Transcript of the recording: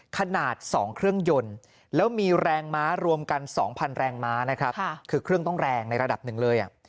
ขนาด๒เครื่องยนต์แล้วมีแรงม้ารวมกัน๒๐๐แรงม้านะครับคือเครื่องต้องแรงในระดับหนึ่งเลย